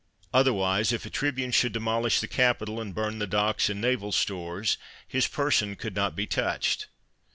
Otherwise, if a tribune should demolish the Capitol, and bum the docks and naval stores, his person could not be touched.